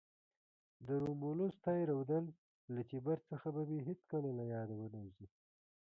د رومولوس تی رودل له تیبر څخه به مې هیڅکله له یاده ونه وزي.